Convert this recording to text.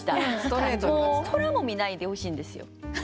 空も見ないでほしいんですよ。